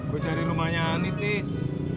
gua cari rumahnya anit nis